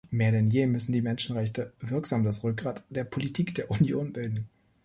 Mehr denn je müssen die Menschenrechte wirksam das Rückgrat der Politik der Union bilden.